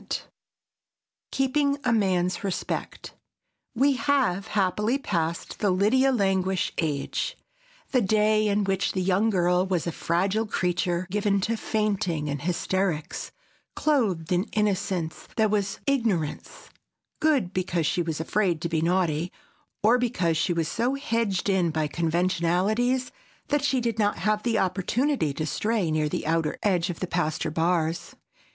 [Sidenote: KEEPING A MAN'S RESPECT] We have, happily, passed the Lydia Languish age, the day in which the young girl was a fragile creature, given to fainting and hysterics, clothed in innocence that was ignorance, good because she was afraid to be naughty, or because she was so hedged in by conventionalities that she did not have the opportunity to stray near the outer edge of the pasture bars.